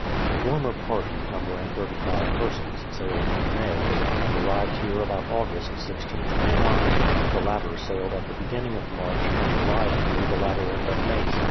The former party, numbering 35 persons, sailed in May, and arrived here about August, 1629; the latter sailed at the beginning of March, and arrived here the latter end of May, 1630.